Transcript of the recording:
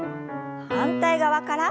反対側から。